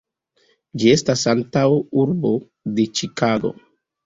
Ĝi estas antaŭurbo de Ĉikago.